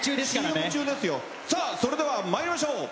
それでまいりましょう。